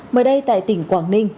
mới đây tại tỉnh quảng ninh